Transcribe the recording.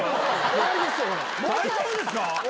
大丈夫ですか？